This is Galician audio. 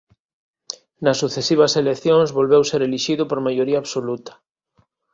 Nas sucesivas eleccións volveu ser elixido por maioría absoluta.